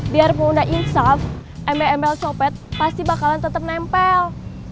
biar pengundang insaf embel embel copet pasti bakalan tetep nempel